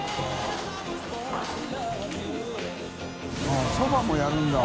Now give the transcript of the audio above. ◆舛そばもやるんだ。